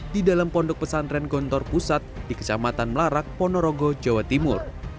di dalam pondok pesantren gontor pusat di kecamatan melarak ponorogo jawa timur